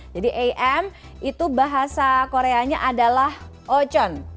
jadi am itu bahasa koreanya adalah ocon